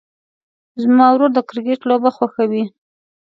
زما ورور د کرکټ لوبه خوښوي.